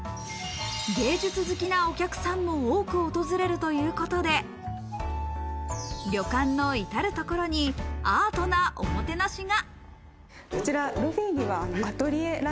芸術好きなお客さんも多く訪れるということで、旅館のいたる所にアートなおもてなしが。